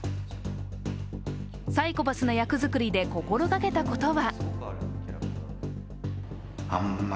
サイコパスな役作りで心がけたことは？